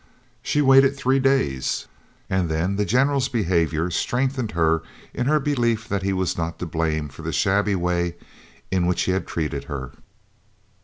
She waited three days, and then the General's behaviour strengthened her in her belief that he was not to blame for the shabby way in which he had treated her.